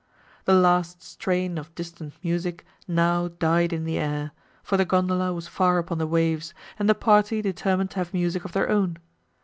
The last strain of distant music now died in air, for the gondola was far upon the waves, and the party determined to have music of their own.